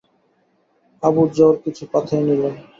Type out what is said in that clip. Abu Zar কিছু পাথেয় নিলেন।